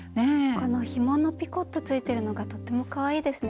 このひものピコットついてるのがとってもかわいいですね。